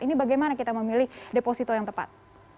ini bagaimana kita memilih deposito yang tepat